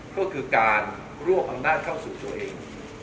ก็คือการรวบอำนาจเข้าสู่ตัวเอง